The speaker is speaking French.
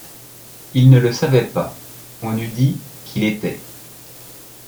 Il ne le savait pas ; on eût dit qu’il était